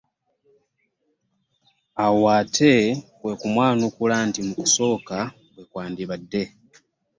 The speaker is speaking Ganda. Awo ate kwe kumwanukula nti, “Mu kusooka bwe kyandibadde."